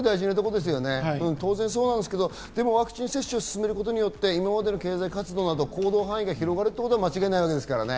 当然そうなんですけど、ワクチン接種を進めることによって今までの経済活動など行動範囲が広がることは間違いないですからね。